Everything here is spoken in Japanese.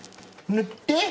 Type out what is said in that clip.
塗って！